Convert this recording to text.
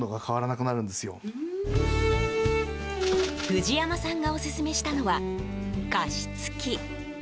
藤山さんがオススメしたのは加湿器。